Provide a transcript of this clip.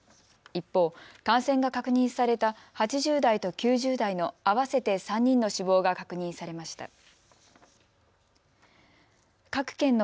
一方、感染が確認された８０代と９０代の合わせて３人の死亡が確認されました。